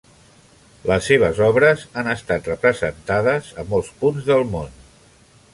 Les seves obres han estat representades a molts punts del món.